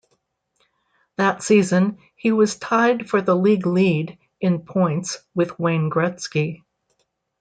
That season, he was tied for the league lead in points with Wayne Gretzky.